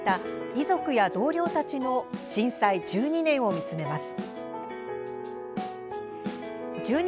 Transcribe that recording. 遺族や同僚たちの震災１２年を見つめます。